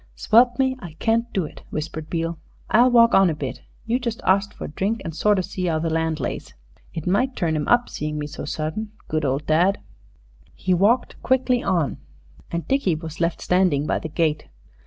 "Swelp me, I can't do it!" whispered Beale. "I'll walk on a bit. You just arst for a drink, and sort of see 'ow the land lays. It might turn 'im up seeing me so sudden. Good old dad!" He walked quickly on, and Dickie was left standing by the gate.